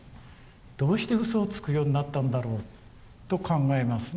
どうしてうそをつくようになったんだろうと考えますね。